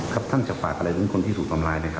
ครับท่างจากฝากอะไรว่ากลุงคนที่ถูกทำร้ายด้วยค่ะ